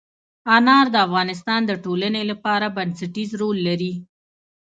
انار د افغانستان د ټولنې لپاره بنسټيز رول لري.